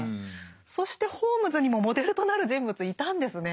そしてホームズにもモデルとなる人物いたんですね。